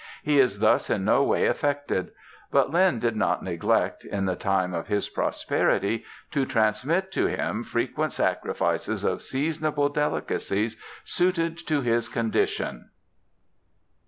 He is thus in no way affected. But Lin did not neglect, in the time of his prosperity, to transmit to him frequent sacrifices of seasonable delicacies suited to his condition.